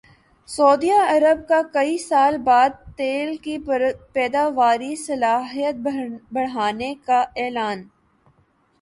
سعودی عرب کا کئی سال بعد تیل کی پیداواری صلاحیت بڑھانے کا اعلان